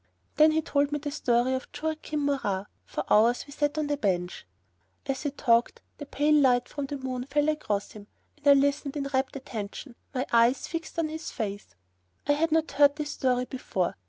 Then he told me the story of Joachim Murat; for hours we sat on the bench. As he talked, the pale light from the moon fell across him, and I listened in rapt attention, my eyes fixed on his face. I had not heard this story before.